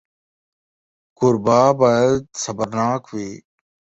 کوربه باید صبرناک وي.